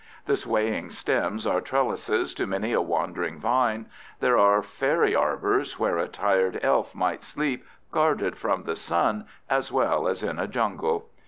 The swaying stems are trellises to many a wandering vine; there are fairy arbors where a tired elf might sleep guarded from the sun as well as in a jungle.